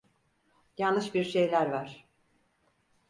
Yanlış bir şeyler var.